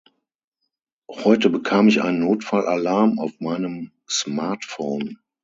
Heute bekam ich einen Notfallalarm auf meinem Smartphone.